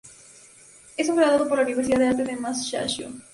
Es un graduado por la Universidad de arte de Musashino.